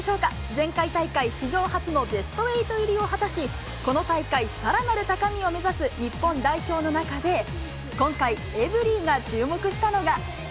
前回大会史上初のベスト８入りを果たし、この大会、さらなる高みを目指す、日本代表の中で、今回、エブリィが注目したのが。